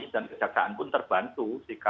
dan kejaksaan pun terbantu